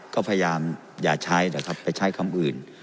ก็พยายามอย่าใช้นะครับไปใช้คำอื่น